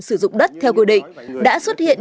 sử dụng đất theo quy định đã xuất hiện